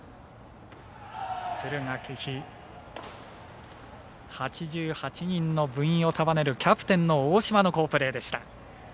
敦賀気比８８人の部員を束ねるキャプテンの大島の好プレーでした。